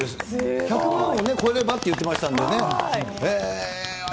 １００万超えればって言ってましたからね。